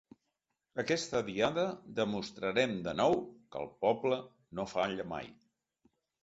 Aquesta Diada demostrarem de nou que el poble no falla mai.